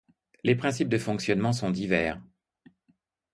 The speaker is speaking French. Les principes de fonctionnement sont divers.